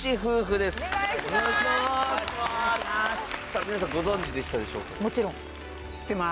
さあ皆さんご存じでしたでしょうか？